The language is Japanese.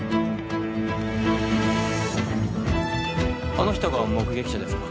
あの人が目撃者ですか？